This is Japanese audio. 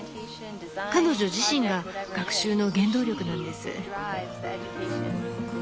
彼女自身が学習の原動力なんです。